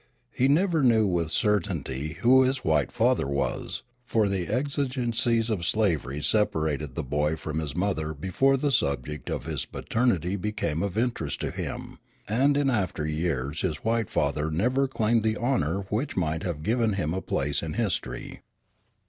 He never knew with certainty who his white father was, for the exigencies of slavery separated the boy from his mother before the subject of his paternity became of interest to him; and in after years his white father never claimed the honor, which might have given him a place in history.